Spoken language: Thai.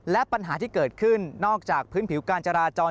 และปัญหาที่เกิดขึ้นนอกจากพื้นผิวการจราจร